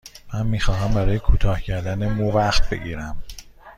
من می خواهم برای کوتاه کردن مو وقت بگیرم.